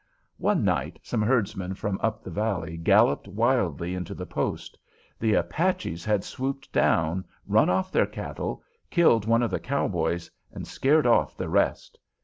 One night some herdsmen from up the valley galloped wildly into the post. The Apaches had swooped down, run off their cattle, killed one of the cowboys, and scared off the rest.